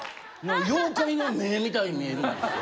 妖怪の目みたいに見えるんですよ